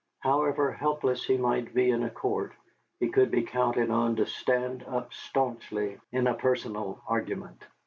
However helpless he might be in a court, he could be counted on to stand up stanchly in a personal argument.